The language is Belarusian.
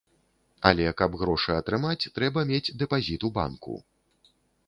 Але каб грошы атрымаць, трэба мець дэпазіт у банку.